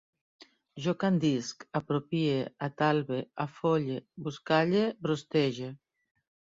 Jo candisc, apropie, atalbe, afolle, buscalle, brostege